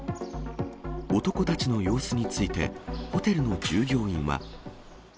男たちの様子について、ホテルの従業員は。